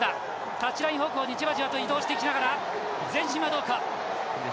タッチライン方向にじわじわと移動していきながら。